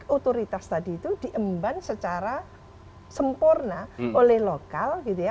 otoritas tadi itu diemban secara sempurna oleh lokal gitu ya